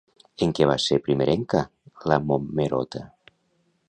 En què va ser primerenca la Momerota?